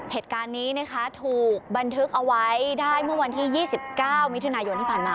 เหตุการณ์นี้นะคะถูกบันทึกเอาไว้ได้เมื่อวันที่๒๙มิถุนายนที่ผ่านมา